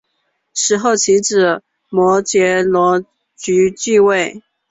死后其子摩醯逻矩罗即位。